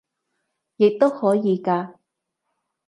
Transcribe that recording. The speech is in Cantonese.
亦都可以嘅